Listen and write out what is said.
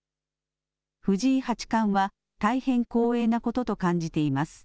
藤井八冠は大変光栄なことと感じています。